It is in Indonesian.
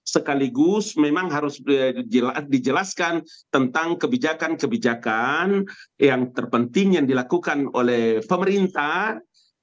sekaligus memang harus dijelaskan tentang kebijakan kebijakan yang terpenting yang dilakukan oleh pemerintah